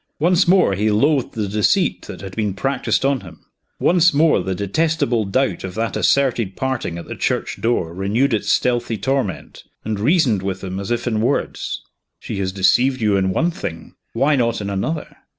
Once more he loathed the deceit that had been practiced on him. Once more the detestable doubt of that asserted parting at the church door renewed its stealthy torment, and reasoned with him as if in words: She has deceived you in one thing; why not in another?